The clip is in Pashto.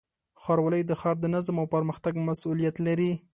ښاروالۍ د ښار د نظم او پرمختګ مسؤلیت لري.